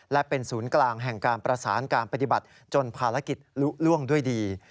และเป็นศูนย์กลางแห่งการประสานการปฏิบัติจนภารกิจลุล่วงด้วยดี